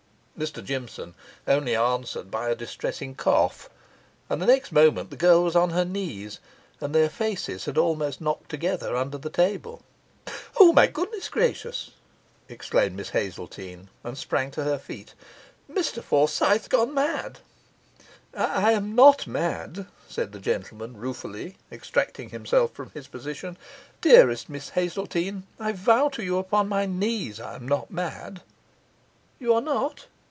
Mr Jimson only answered by a distressing cough; and the next moment the girl was on her knees, and their faces had almost knocked together under the table. 'O, my gracious goodness!' exclaimed Miss Hazeltine, and sprang to her feet. 'Mr Forsyth gone mad!' 'I am not mad,' said the gentleman ruefully, extricating himself from his position. 'Dearest. Miss Hazeltine, I vow to you upon my knees I am not mad!' 'You are not!